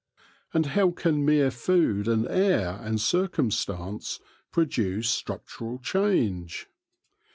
And how can mere food and air and cir cumstance produce structural change